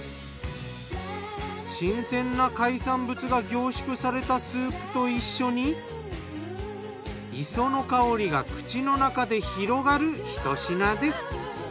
新鮮な海産物が凝縮されたスープと一緒に磯の香りが口の中で広がるひと品です。